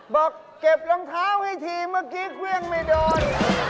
บอกเก็บรองเท้าให้ทีเมื่อกี้เครื่องไม่โดน